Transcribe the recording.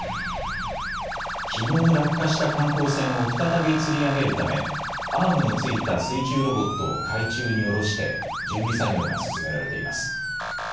きのう落下した観光船を再びつり上げるためアームの付いた水中ロボットを海中に下ろして準備作業が進められています。